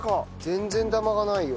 全然ダマがないよ。